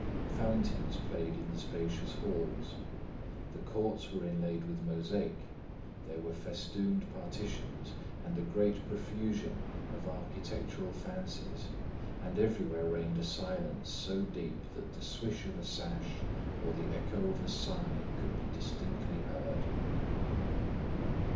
Fountains played in the spacious halls; the courts were inlaid with mosaic; there were festooned partitions and a great profusion of architectural fancies; and everywhere reigned a silence so deep that the swish of a sash or the echo of a sigh could be distinctly heard.